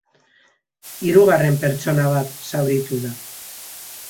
Hirugarren pertsona bat zauritu da.